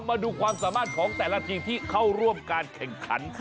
มาดูความสามารถของแต่ละทีมที่เข้าร่วมการแข่งขัน